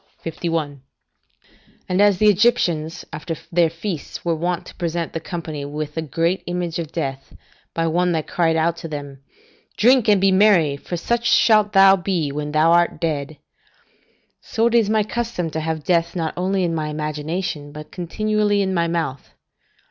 51.] And as the Egyptians after their feasts were wont to present the company with a great image of death, by one that cried out to them, "Drink and be merry, for such shalt thou be when thou art dead"; so it is my custom to have death not only in my imagination, but continually in my mouth.